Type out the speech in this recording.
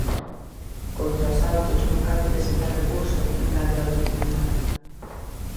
Contra os autos non cabe presentar recurso, engade o alto tribunal.